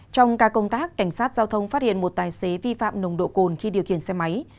trong ca công tác cảnh sát giao thông phát hiện một tài xế vi phạm nồng độ cồn khi điều khiển xe máy